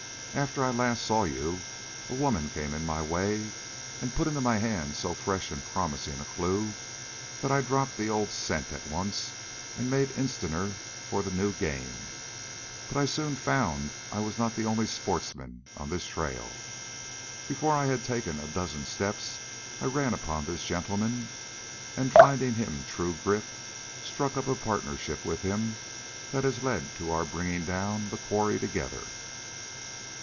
"After I last saw you a woman came in my way and put into my hands so fresh and promising a clue, that I dropped the old scent at once and made instanter for the new game. But I soon found I was not the only sportsman on this trail. Before I had taken a dozen steps I ran upon this gentleman, and, finding him true grit, struck up a partnership with him that has led to our bringing down the quarry together."